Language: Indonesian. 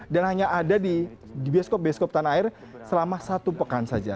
dan hanya ada di bioskop bioskop tanah air selama satu pekan saja